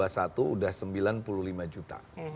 dua ribu dua puluh satu sudah sembilan puluh lima juta